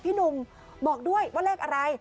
พี่หนุ่มบอกด้วยว่าเลขอะไร